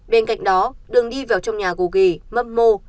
bên cạnh đó đường đi vào trong nhà gồ ghề mâm mô